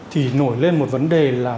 thì nổi lên một vấn đề là